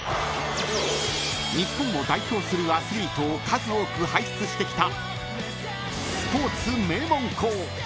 ［日本を代表するアスリートを数多く輩出してきた］